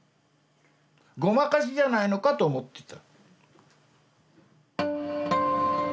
「ごまかしじゃないのか？」と思ってた。